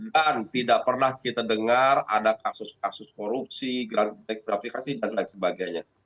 dan tidak pernah kita dengar ada kasus kasus korupsi grafikasi dan lain sebagainya